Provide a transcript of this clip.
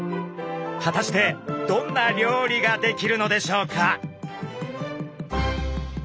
果たしてどんな料理が出来るのでしょうか？